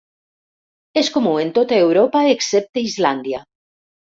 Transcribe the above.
És comú en tota Europa, excepte Islàndia.